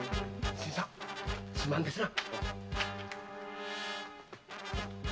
新さんすまんですな。